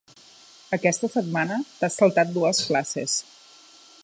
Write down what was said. Aquesta setmana t'has saltat dues classes.